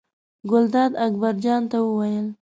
ګلداد اکبر جان ته وویل.